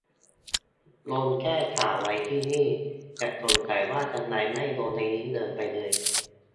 ลงแก้ข่าวไว้ที่นี่ แต่สงสัยว่าทำไมไม่ลงในลิงก์เดิมไปเลย